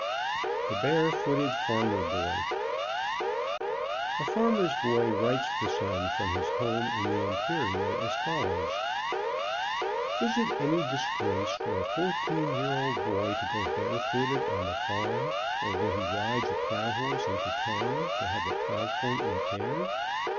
160 THE BAREFOOTED FARMER BOY THE BAREFOOTED FARMER BOY. A farmer's boy writes The Sun from his home in the interior as follows : "Is it any disgrace for a fourteen year old boy to go barefooted on the farm, or when he rides a plow horse into town to have a plow point repaired